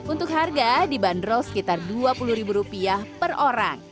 untuk harga dibanderol sekitar dua puluh ribu rupiah per orang